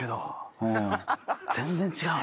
全然違う？